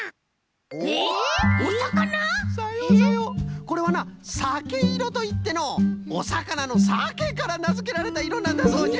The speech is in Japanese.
これはなさけいろといってのうおさかなのさけからなづけられたいろなんだそうじゃ。